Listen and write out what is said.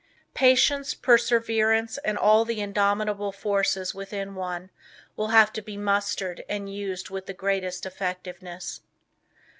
Patience, perseverance and all the indomitable forces within one will have to be mustered and used with the greatest effectiveness.